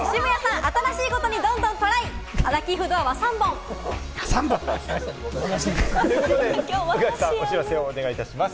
宇垣さん、お知らせをお願いします。